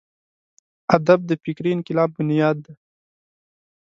ادب د فکري انقلاب بنیاد دی.